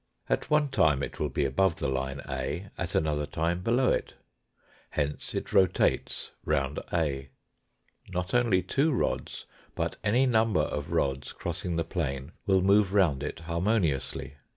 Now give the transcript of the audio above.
At one time it will be above the line A, at another time below it. Hence it rotates round A. Not only two rods but any number of rods crossing the plane will move round it har moniously.